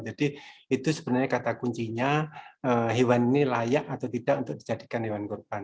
jadi itu sebenarnya kata kuncinya hewan ini layak atau tidak untuk dijadikan hewan korban